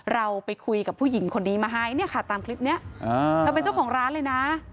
เราไปคุยกับผู้หญิงคนนี้มาให้เนี่ยค่ะตามคลิปนี้เธอเป็นเจ้าของร้านเลยนะ